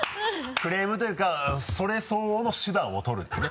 クレームというかそれ相応の手段を取るっていうね。